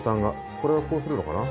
これをこうするのかな？